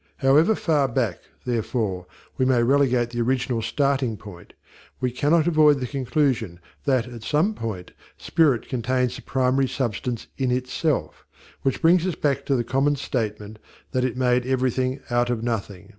However far back, therefore, we may relegate the original starting point, we cannot avoid the conclusion that, at that point, spirit contains the primary substance in itself, which brings us back to the common statement that it made everything out of nothing.